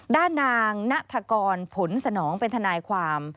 ด้านนางณฑกรผลสนองเป็นทนายความ